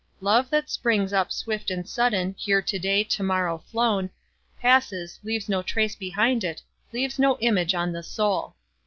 Love that springs up swift and sudden, Here to day, to morrow flown, Passes, leaves no trace behind it, Leaves no image on the soul.